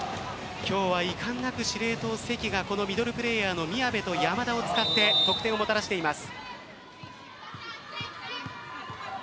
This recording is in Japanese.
今日はいかんなく司令塔・関がミドルプレーヤーの宮部と山田を使って得点をもたらしています。